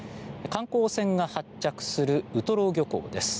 観光船が発着するウトロ漁港です。